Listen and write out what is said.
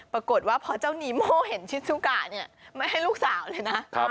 ปรากฏว่าพอเจ้านีโม่เห็นชิดซุกะเนี่ยไม่ให้ลูกสาวเลยนะ